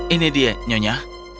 ini dia nyonya